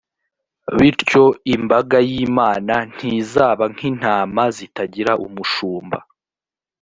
bityo imbaga y’imana ntizaba nk’intama zitagira umushumba.